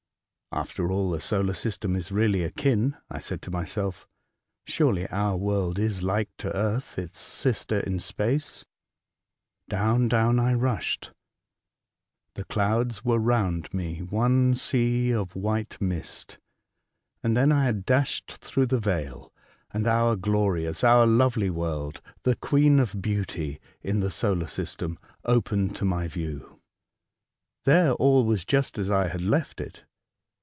" After all, the solar system is really akin," I said to myself. " Surely our world is hke to the earth, its sister in space." Down, down I rushed. The clouds were round me, one sea of white mist ; and then I had dashed through the veil, and our glorious, our lovely world, the '' queen of beauty " in the Welcome Home. 75 solar system, opened to my view. There all was just as I had left it.